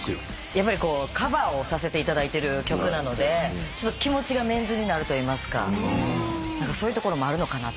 カバーをさせていただいてる曲なので気持ちがメンズになるといいますかそういうところもあるのかなと。